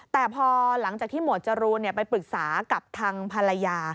แต่พอหลังจากที่หมวดจรูนไปปรึกษากับทางภรรยา